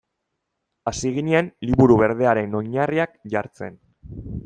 Hasi ginen Liburu Berdearen oinarriak jartzen.